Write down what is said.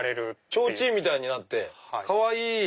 ちょうちんみたいになってかわいい！